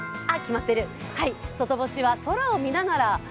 外干しは空を見ながら。